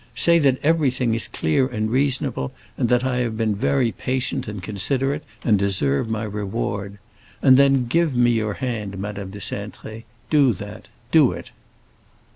Say that everything is clear and reasonable, and that I have been very patient and considerate, and deserve my reward. And then give me your hand. Madame de Cintré do that. Do it."